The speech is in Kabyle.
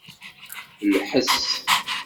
Lḥes.